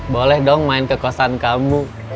boleh dong main kekosan kamu